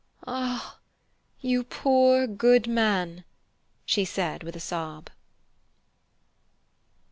"Ah, you poor, good man!" she said with a sob.